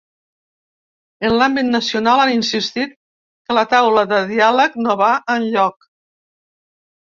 En l’àmbit nacional, han insistit que la taula de diàleg no va enlloc.